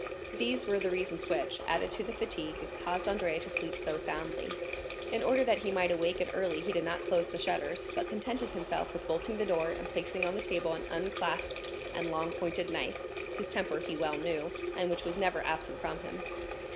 These were the reasons which, added to the fatigue, caused Andrea to sleep so soundly. In order that he might wake early he did not close the shutters, but contented himself with bolting the door and placing on the table an unclasped and long pointed knife, whose temper he well knew, and which was never absent from him.